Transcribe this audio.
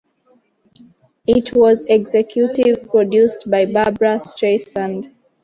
It was executive produced by Barbra Streisand.